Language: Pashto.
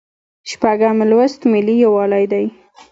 شپږم لوست ملي یووالی دی.